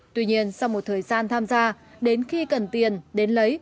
tuy nhiên sau một thời gian tham gia đến khi cần tiền đến lấy